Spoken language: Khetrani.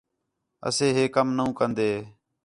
اَسے ہے کم نَو کن٘دے